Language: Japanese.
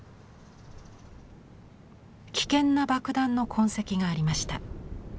危険な爆弾の痕跡がありました。